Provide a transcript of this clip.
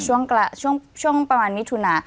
ช่วงประมาณมิถุนา